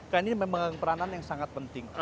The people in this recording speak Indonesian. karena ini memang peranan yang sangat penting